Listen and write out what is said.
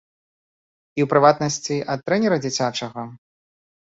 І, у прыватнасці, ад трэнера дзіцячага?